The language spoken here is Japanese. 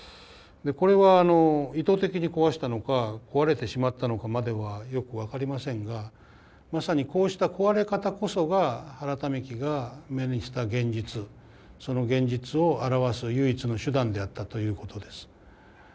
これは意図的に壊したのか壊れてしまったのかまではよく分かりませんがまさにこうした壊れ方こそが原民喜が目にした現実その現実を表す唯一の手段であったということです。